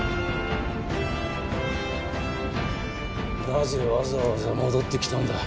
なぜわざわざ戻ってきたんだ？